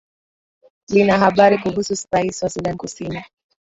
lina habari kuhusu rais wa sudan ya kusini